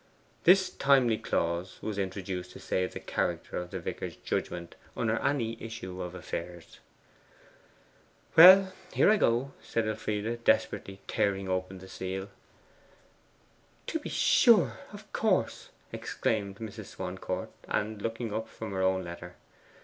This timely clause was introduced to save the character of the vicar's judgment under any issue of affairs. 'Well, here I go,' said Elfride, desperately tearing open the seal. 'To be sure, of course,' exclaimed Mrs. Swancourt; and looking up from her own letter.